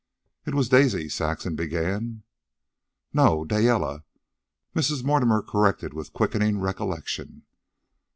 "It was Daisy " Saxon began. "No; Dayelle," Mrs. Mortimer corrected with quickening recollection.